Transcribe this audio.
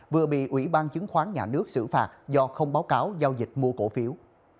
vừa bị ủy ban chứng khoán nhà nước xử phạt do không báo cáo giao dịch mua cổ phiếu